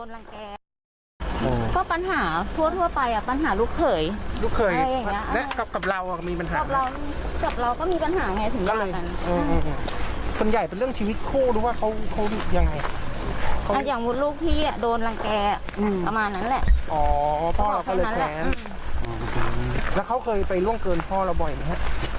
แล้วเขาเคยไปล่วงเกินพ่อเราบ่อยนะฮะ